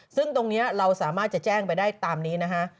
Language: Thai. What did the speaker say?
ซึ่งตรงนี้เราสามารถจะแจ้งไปได้ตามนี้นะฮะ